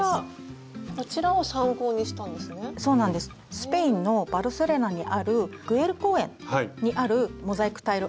スペインのバルセロナにあるグエル公園にあるモザイクタイル